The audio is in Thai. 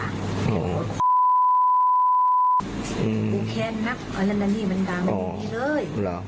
โอ้โหแค่นักอัลนานี่มันด่ามันอยู่นี้เลย